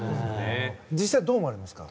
実際、どう思われますか。